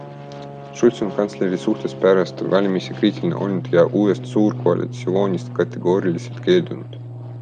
Schulz on kantsleri suhtes pärast valimisi kriitiline olnud ja uuest suurkoalitsioonist kategooriliselt keeldunud.